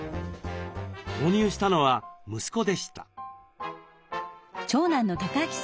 購入したのは息子でした。